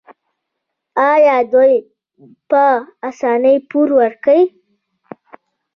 آیا دوی په اسانۍ پور ورکوي؟